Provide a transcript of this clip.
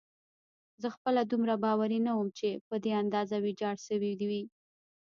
زه خپله دومره باوري نه وم چې په دې اندازه ویجاړه شوې وي.